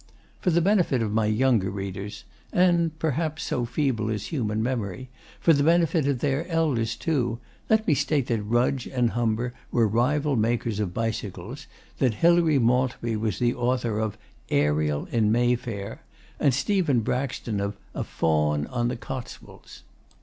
For the benefit of my younger readers, and perhaps, so feeble is human memory, for the benefit of their elders too, let me state that Rudge and Humber were rival makers of bicycles, that Hilary Maltby was the author of 'Ariel in Mayfair,' and Stephen Braxton of 'A Faun on the Cotswolds.